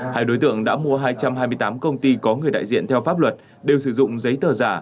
hai đối tượng đã mua hai trăm hai mươi tám công ty có người đại diện theo pháp luật đều sử dụng giấy tờ giả